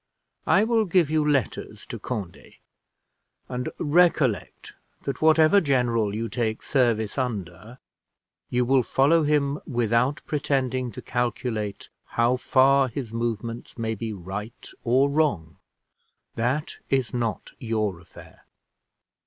I will give you letters to Conde; and, recollect that whatever general you take service under, you will follow him without pretending to calculate how far his movements may be right or wrong that is not your affair.